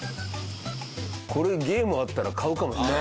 これゲームあったら買うかもしれない。